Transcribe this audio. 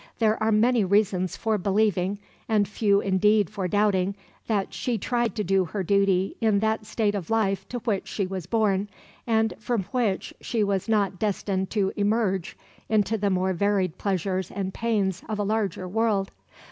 There are many reasons for believing, and few indeed for doubting, that she tried to do her duty in that state of life to which she was born, and from which she was not destined to emerge into the more varied pleasures and pains of a larger world.